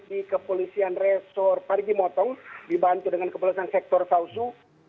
pembunuhan organik di kepolisian resor parijimotong dibantu dengan kepolisian sektor tauzu